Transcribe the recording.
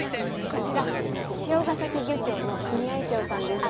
こちら汐ヶ崎漁協の組合長さんです。